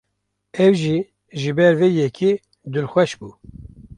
Ew jî ji ber vê yekê dilxweş bû.